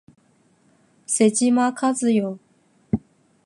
妹島和世